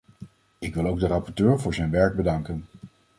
Ik wil ook de rapporteur voor zijn werk bedanken.